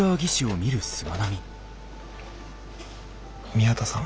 宮田さん。